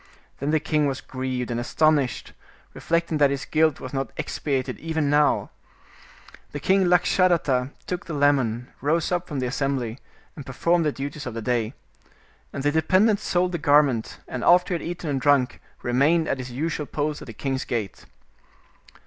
Then the king was grieved and astonished, reflecting that his guilt was not expiated even now. The king Lakshadatta took the lemon, rose up from the assembly, and performed the duties of the day. And the dependent sold the garment, and after he had eaten and drunk, remained at his usual post at the king's gate.